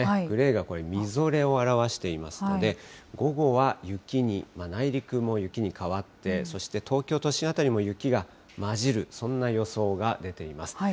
グレーがこれ、みぞれを表していますので、午後は雪に、内陸も雪に変わって、そして東京都心辺りも雪が交じる、そんな予想が出ています。